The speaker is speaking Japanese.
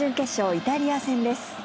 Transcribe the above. イタリア戦です。